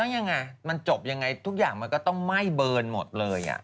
แล้วยังไงมันจบไงทุกอย่างมันก็ต้องไหม้เผินหมดเลย